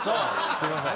すいません。